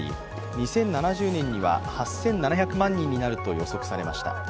２０７０年には８７００万人になると予測されました。